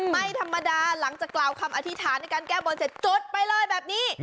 ไม่ธรรมดาหลังจากกล่าวคำอธิษฐานในการแก้บนเสร็จจดไปเลยแบบนี้